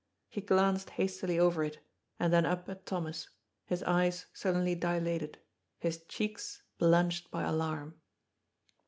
He glanced hastily oyer it, and then up at Thomas, his eyes suddenly dilated, his cheeks blanched by alarm.